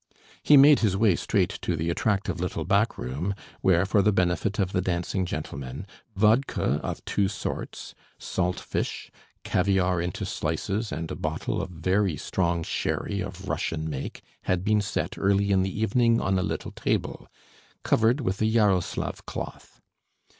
He made his way straight to the attractive little back room where, for the benefit of the dancing gentlemen, vodka of two sorts, salt fish, caviare into slices and a bottle of very strong sherry of Russian make had been set early in the evening on a little table, covered with a Yaroslav cloth.